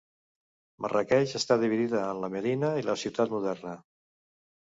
Marràqueix està dividida en la Medina i la ciutat moderna.